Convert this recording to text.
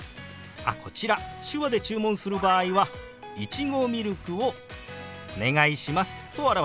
あっこちら手話で注文する場合は「いちごミルクをお願いします」と表します。